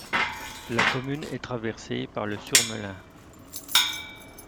La commune est traversée par le Surmelin.